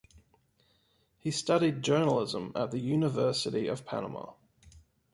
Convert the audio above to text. He studied journalism at the University of Panama.